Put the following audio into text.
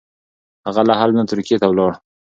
هغه له حلب نه ترکیې ته ولاړ.